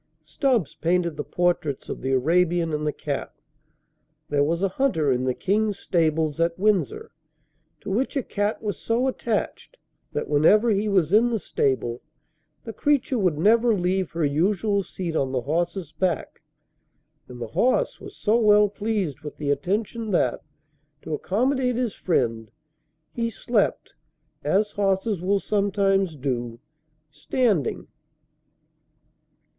Stubbs painted the portraits of the Arabian and the cat. There was a hunter in the King's stables at Windsor, to which a cat was so attached, that whenever he was in the stable the creature would never leave her usual seat on the horse's back, and the horse was so well pleased with the attention that, to accommodate his friend, he slept, as horses will sometimes do, standing.